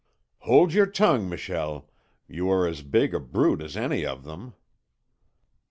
"Hold your tongue, Michel; you are as big a brute as any of them."